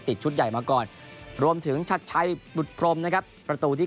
ชุดใหญ่มาก่อนรวมถึงชัดชัยบุตรพรมนะครับประตูที่